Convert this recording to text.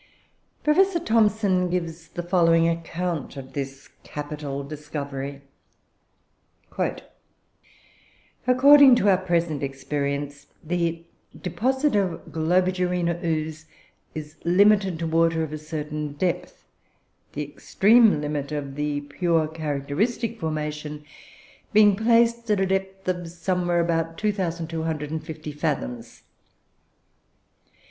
Professor Thomson gives the following account of this capital discovery: "According to our present experience, the deposit of Globigerina ooze is limited to water of a certain depth, the extreme limit of the pure characteristic formation being placed at a depth of somewhere about 2,250 fathoms.